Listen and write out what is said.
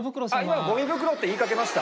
今ゴミ袋って言いかけました？